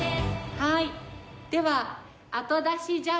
はい。